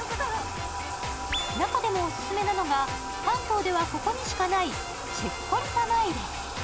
中でもオススメなのが、関東ではここにしかないチェッコリ玉入れ。